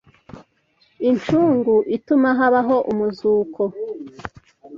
Incungu ituma habaho umuzuko